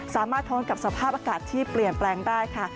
ทนกับสภาพอากาศที่เปลี่ยนแปลงได้ค่ะ